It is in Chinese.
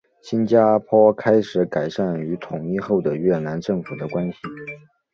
新加坡开始改善与统一后的越南政府的关系。